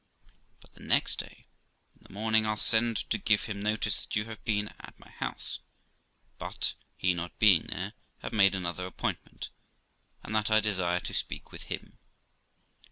But the next day, in the morning, I'll send to give him 264 THE LIFE OF ROXANA notice that you have been at my house, but, he not being there, have made another appointment, and that I desire to speak with him.